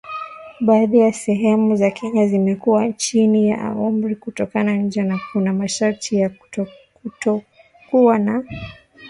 Baadhi ya sehemu za Kenya zimekuwa chini ya amri ya kutotoka nje na kuna masharti ya kutokuwa na mikusanyiko ya usiku.